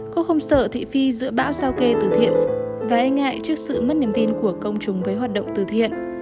cô không sợ thị phi giữa bão sao kê từ thiện và e ngại trước sự mất niềm tin của công chúng với hoạt động từ thiện